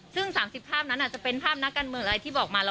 ซึ่ง๓๐ภาพนั้นอาจจะเป็นภาพนักการเมืองอะไรที่บอกมา